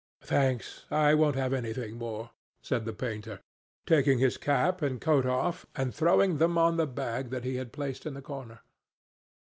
"Thanks, I won't have anything more," said the painter, taking his cap and coat off and throwing them on the bag that he had placed in the corner.